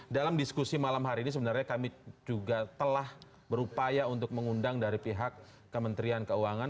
dalam diskusi malam hari ini sebenarnya kami juga telah berupaya untuk mengundang dari pihak kementerian keuangan